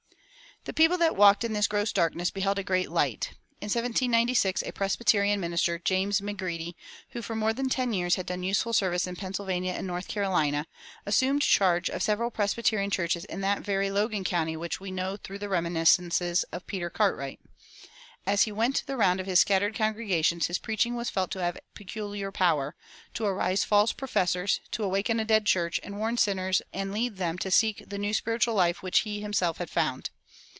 "[233:1] The people that walked in this gross darkness beheld a great light. In 1796 a Presbyterian minister, James McGready, who for more than ten years had done useful service in Pennsylvania and North Carolina, assumed charge of several Presbyterian churches in that very Logan County which we know through the reminiscences of Peter Cartwright. As he went the round of his scattered congregations his preaching was felt to have peculiar power "to arouse false professors, to awaken a dead church, and warn sinners and lead them to seek the new spiritual life which he himself had found."